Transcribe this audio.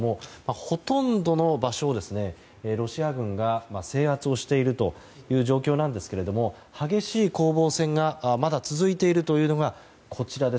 ほとんどの場所をロシア軍が制圧をしているという状況なんですが激しい攻防戦がまだ続いているというのがこちら。